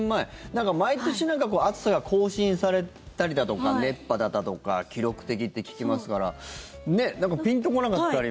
なんか、毎年暑さが更新されたりだとか熱波だとか記録的って聞きますからなんかピンと来なかったりも。